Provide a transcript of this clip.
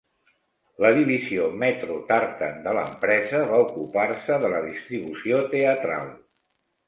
La divisió "Metro Tartan" de l'empresa va ocupar-se de la distribució teatral.